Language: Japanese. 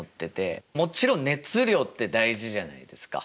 もちろん熱量って大事じゃないですか。